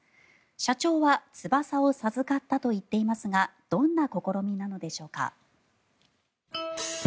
社長は翼を授かったと言っていますがどんな試みなのでしょうか。